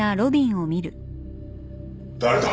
誰だ？